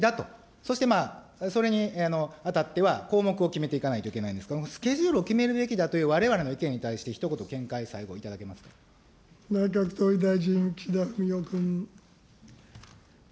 そしてまあ、それにあたっては、項目を決めていかないといけないんですが、スケジュールを決めるべきだというわれわれの意見に対して、ひと言、見解、内閣総理大臣、岸田文雄君。